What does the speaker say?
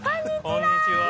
こんにちは！